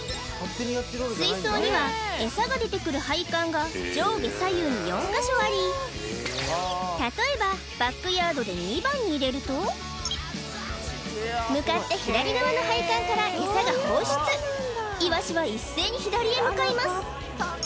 水槽にはエサが出てくる配管が上下左右に４カ所あり例えばバックヤードで２番に入れると向かって左側の配管からエサが放出イワシは一斉に左へ向かいます